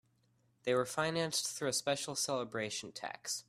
They were financed through a special celebration tax.